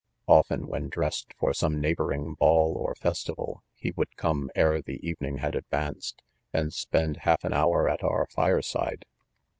•* c Often when drest for some neighboring ball or festival, he would come ere the. evening had advanced, and spend half an hour at our fire side.